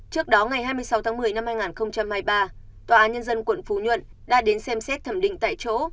trước đó ngày hai mươi sáu tháng một mươi năm hai nghìn hai mươi ba tòa án nhân dân quận phú nhuận đã đến xem xét thẩm định tại chỗ